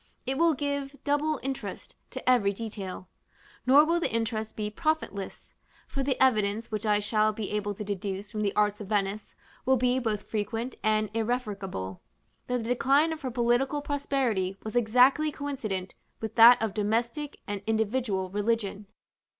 It will give double interest to every detail: nor will the interest be profitless; for the evidence which I shall be able to deduce from the arts of Venice will be both frequent and irrefragable, that the decline of her political prosperity was exactly coincident with that of domestic and individual religion.